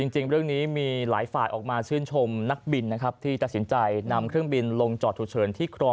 จริงเรื่องนี้มีหลายฝ่ายออกมาชื่นชมนักบินนะครับที่ตัดสินใจนำเครื่องบินลงจอดฉุกเฉินที่ครอง